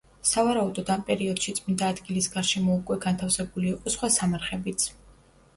სავარაუდოდ ამ პერიოდში წმინდა ადგილის გარშემო უკვე განთავსებული იყო სხვა სამარხებიც.